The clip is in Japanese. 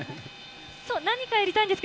そう、何かやりたいんですけ